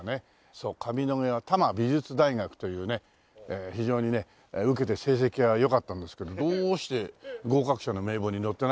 そう上野毛は多摩美術大学というね非常にね受けて成績が良かったんですけどどうして合格者の名簿に載ってなかったのかっていう。